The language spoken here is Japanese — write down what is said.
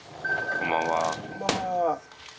こんばんは。